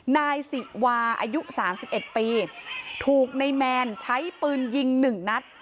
นายสิวาอายุ๓๑ปีถูกในแมนใช้ปืนยิง๑นัด